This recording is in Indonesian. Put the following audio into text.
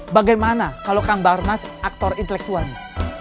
bagaimana kalau kang barnas aktor intelektualnya